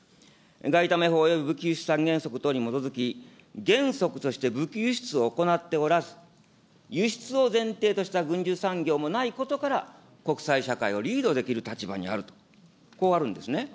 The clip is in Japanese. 外為法および武器輸出三原則等に基づき、原則として武器輸出を行っておらず、輸出を前提とした軍需産業もないことから、国際社会をリードできる立場にあると、こうあるんですね。